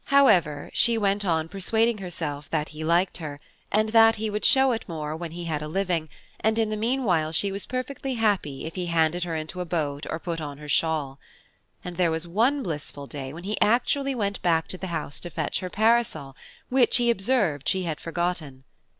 However, she went on persuading herself that he liked her, and that he would show it more when he had a living, and in the meanwhile she was perfectly happy if he handed her into a boat or put on her shawl; and there was one blissful day when he actually went back to the house to fetch her parasol which he observed she had forgotten.